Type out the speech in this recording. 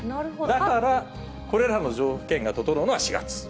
だから、これらの条件が整うのが４月。